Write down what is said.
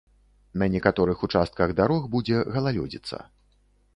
На некаторых участках дарог будзе галалёдзіца.